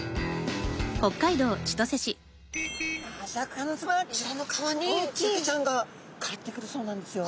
こちらの川にサケちゃんが帰ってくるそうなんですよ。